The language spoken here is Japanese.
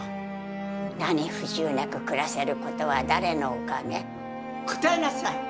何不自由なく暮らせることは誰のおかげ？答えなさい！